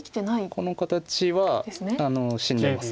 この形は死んでます